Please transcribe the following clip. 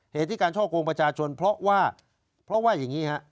เหตุที่การช่อกงประชาชนเพราะว่าเพราะว่าอย่างนี้ฮะ